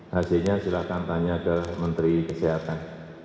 hasilnya silahkan tanya ke menteri kesehatan